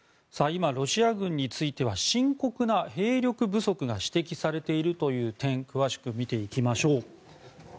今、ロシア軍については深刻な兵力不足が指摘されているという点詳しく見ていきましょう。